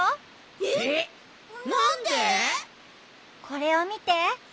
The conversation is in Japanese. これをみて。